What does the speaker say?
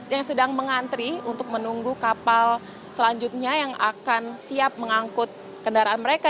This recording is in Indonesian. yang sedang mengantri untuk menunggu kapal selanjutnya yang akan siap mengangkut kendaraan mereka